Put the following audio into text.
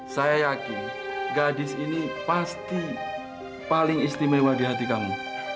saya yakin gadis ini pasti paling istimewa di hati kamu